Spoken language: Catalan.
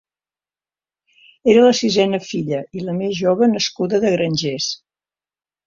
Era la sisena filla i la més jove nascuda de grangers.